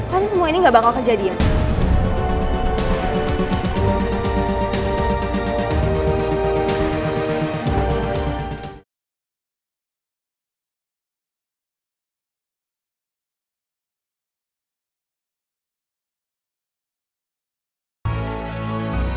pasti semua ini gak bakal kejadian